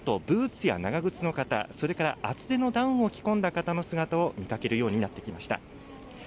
ブーツや長靴の方、それから厚手のダウンを着込んだ方の姿を見かけるようになってきました。